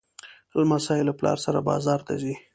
لمسی له پلار سره بازار ته ځي.